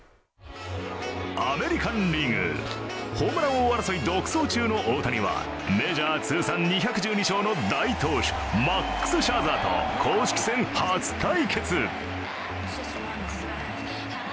アメリカン・リーグホームラン王争い独走中の大谷はメジャー通算２１２勝の大投手マックス・シャーザーと公式戦初対決。